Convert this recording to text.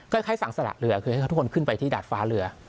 คล้ายสังสละเรือคือให้ทุกคนขึ้นไปที่ดาดฟ้าเรือ